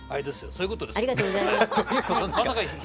どういうことですか？